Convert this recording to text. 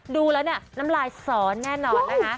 ดูแล้วเนี่ยน้ำลายสอนแน่นอนนะคะ